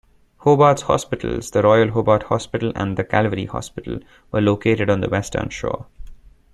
Hobart's hospitals-the Royal Hobart Hospital and the Calvary Hospital-were located on the western shore.